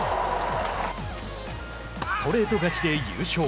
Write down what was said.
ストレート勝ちで優勝。